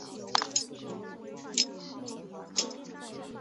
大部分歌唱都是在无伴奏合唱中完成的。